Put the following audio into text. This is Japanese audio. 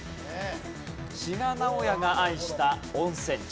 志賀直哉が愛した温泉地。